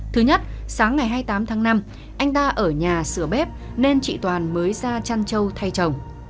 thứ nhất sáng ngày hai mươi tám tháng năm anh ta ở nhà sửa bếp nên chị toàn mới ra trăn châu thay chồng